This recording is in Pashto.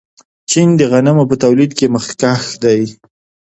چین د غنمو په تولید کې مخکښ دی.